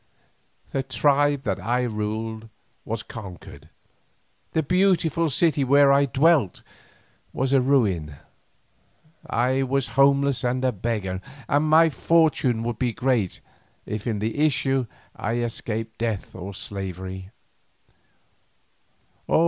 The tribe that I ruled was conquered, the beautiful city where I dwelt was a ruin, I was homeless and a beggar, and my fortune would be great if in the issue I escaped death or slavery.